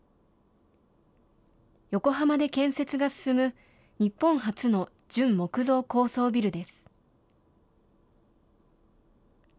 横浜で建設が進む、日本初の準木造高層ビルです。